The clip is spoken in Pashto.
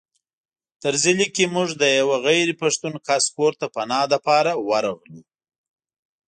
طرزي لیکي موږ د یوه غیر پښتون کس کور ته پناه لپاره ورغلو.